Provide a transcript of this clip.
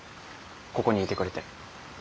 ここにいてくれて。